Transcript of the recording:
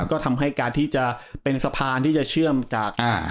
ก็ทำให้การที่จะเป็นสะพานที่จะเชื่อมจากอ่า